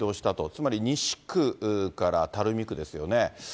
つまり西区から垂水区ですよね。